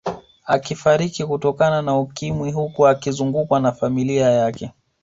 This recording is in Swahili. Akifariki kutokana na Ukimwi huku akizungukwa na familia yake